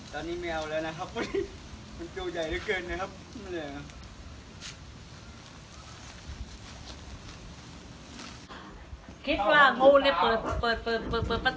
ตอนนี้ก็ไม่มีเวลาให้กลับไป